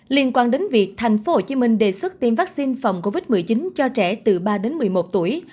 liên quan đến việc tp hcm đề xuất tiêm vaccine phòng covid một mươi chín cho trẻ từ ba đến một mươi một tuổi